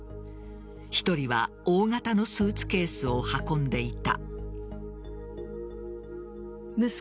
１人は大型のスーツケースを運んでいた。